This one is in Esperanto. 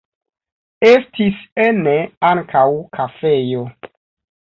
Estis ene ankaŭ kafejo.